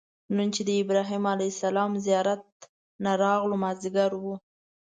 نن چې د ابراهیم علیه السلام زیارت نه راغلو مازیګر و.